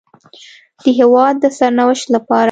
د هېواد د سرنوشت لپاره